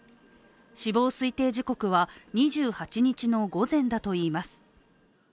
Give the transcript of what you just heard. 死亡推定時刻は２８日の午前だといいます。